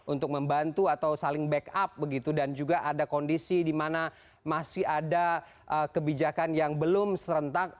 untuk membantu atau saling backup begitu dan juga ada kondisi di mana masih ada kebijakan yang belum serentak